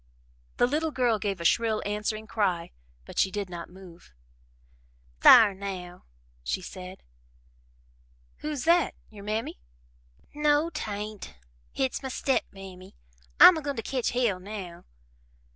The little girl gave a shrill answering cry, but she did not move. "Thar now!" she said. "Who's that your Mammy?" "No, 'tain't hit's my step mammy. I'm a goin' to ketch hell now."